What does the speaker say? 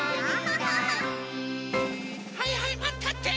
はいはいマンたって！